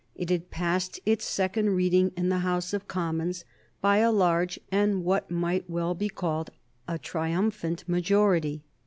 It had passed its second reading in the House of Commons by a large, and what might well be called a triumphant, majority.